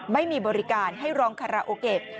ไม่มีบริการให้รองคาราโอเกะ